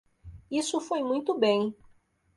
Isso foi muito bem.